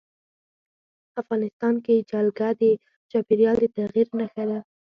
افغانستان کې جلګه د چاپېریال د تغیر نښه ده.